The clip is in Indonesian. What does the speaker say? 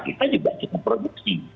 kita juga cukup produksi